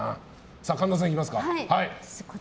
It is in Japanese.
神田さんいきますか。